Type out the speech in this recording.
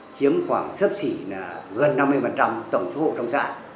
chiếm khoảng sấp xỉ là gần năm mươi tổng số hộ trong xã